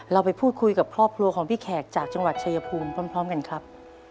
เราไปพูดคุยกับครอบครัวของพี่แขกจากจังหวัดชายภูมิพร้อมกันครับ